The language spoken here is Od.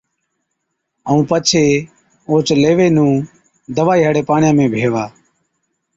ائُون پڇي اوهچ ليوي نُون دَوائِي هاڙي پاڻِيان ۾ ڀيوا